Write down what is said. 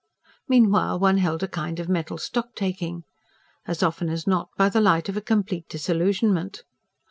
Meanwhile, one held a kind of mental stocktaking. As often as not by the light of a complete disillusionment.